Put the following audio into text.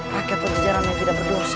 rakyat bersejarah yang tidak berdua